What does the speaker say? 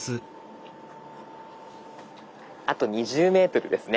あと２０ｍですね。